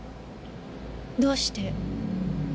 どうして？